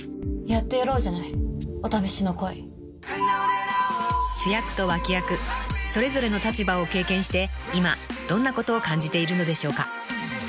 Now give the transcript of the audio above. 「やってやろうじゃないお試しの恋」［主役と脇役それぞれの立場を経験して今どんなことを感じているのでしょうか？］